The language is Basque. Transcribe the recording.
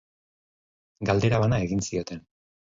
Galdera bana egin zioten.